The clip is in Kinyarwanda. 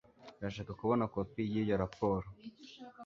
Ndashaka kubona kopi yiyo raporo